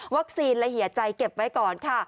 วัคซีนละเหยียดใจเก็บไว้ก่อนค่ะ